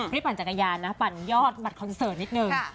ปั่นจักรยานนะปั่นยอดบัตรคอนเสิร์ตนิดนึง